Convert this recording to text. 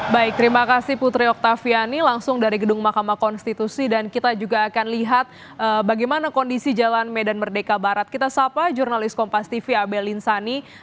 baik terima kasih putri oktaviani langsung dari gedung mahkamah konstitusi dan kita juga akan lihat bagaimana kondisi jalan medan merdeka barat kita sapa jurnalis kompas tv abe lin sani